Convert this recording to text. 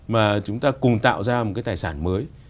mà chúng ta cùng tạo ra một cái tài sản mới